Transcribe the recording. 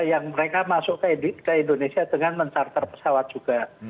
yang mereka masuk ke indonesia dengan mencarter pesawat juga